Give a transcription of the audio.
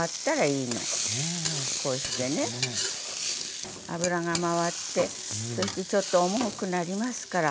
こうしてね油が回ってそしてちょっと重くなりますから。